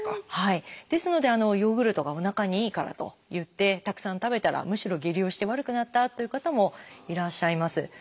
ですのでヨーグルトがおなかにいいからといってたくさん食べたらむしろ下痢をして悪くなったという方もいらっしゃいます。